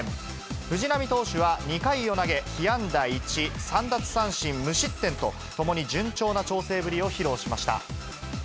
藤浪投手は２回を投げ被安打１、３奪三振、無失点と、ともに順調な調整ぶりを披露しました。